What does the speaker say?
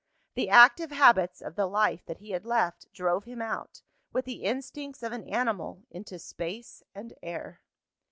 The active habits of the life that he had left, drove him out, with the instincts of an animal, into space and air.